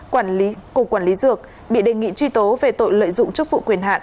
cục quản lý dược bị đề nghị truy tố về tội lợi dụng chức vụ quyền hạn